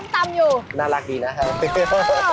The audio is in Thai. ตำน่ารักดีนะครับ